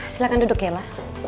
silakan duduk yela